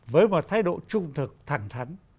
với một thái độ trung thực thẳng thắn